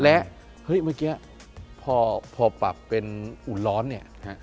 และเฮ้ยเมื่อกี้พอปรับเป็นอุ่นร้อนเนี่ย